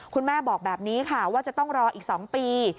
คุณแม่บอกแบบนี้ค่ะว่าจะต้องรออีก๒ปี